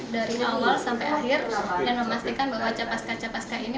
dari awal sampai akhir dan memastikan bahwa capaska capaska ini